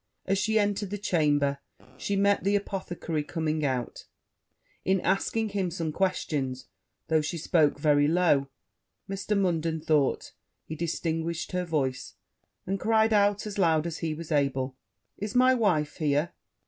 As she entered the chamber, she met the apothecary coming out: in asking him some questions, though she spoke very low, Mr. Munden thought he distinguished her voice; and cried out, as loud as he was able, 'Is my wife here?'